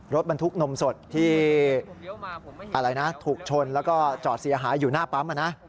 รถบรรทุกนมสดที่อะไรนะถูกชนแล้วก็จอดเสียหายอยู่หน้าปั๊ม